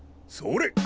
それ！